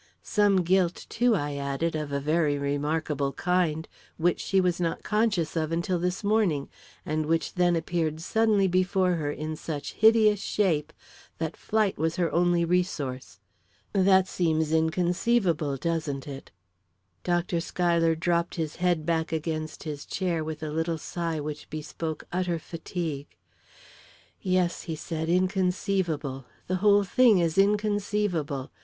"Some guilt, too," I added, "of a very remarkable kind, which she was not conscious of until this morning, and which then appeared suddenly before her in such hideous shape that flight was her only resource. That seems inconceivable, doesn't it?" Dr. Schuyler dropped his head back against his chair with a little sigh which bespoke utter fatigue. "Yes," he said, "inconceivable the whole thing is inconceivable.